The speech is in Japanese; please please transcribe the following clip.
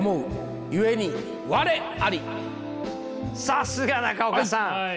さすが中岡さん！